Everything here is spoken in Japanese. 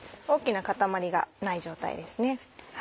大きな塊がない状態ですね。